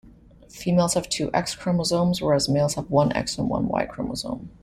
Females have two X chromosomes, whereas males have one X and one Y chromosome.